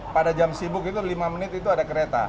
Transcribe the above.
pada jam sibuk itu lima menit itu ada kereta